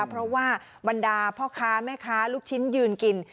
เพราะว่าบรรดาพ่อค้าแม่ค้าลูกชิ้นยืนกิน